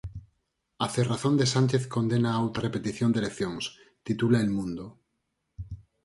A cerrazón de Sánchez condena a outra repetición de eleccións, titula El Mundo.